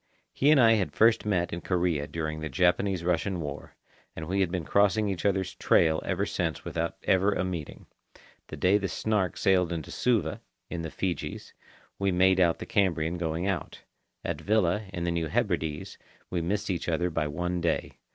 He and I had first met in Korea during the Japanese Russian War, and we had been crossing each other's trail ever since without ever a meeting. The day the Snark sailed into Suva, in the Fijis, we made out the Cambrian going out. At Vila, in the New Hebrides, we missed each other by one day.